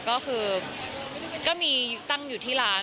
ก็คือก็มีตั้งอยู่ที่ร้าน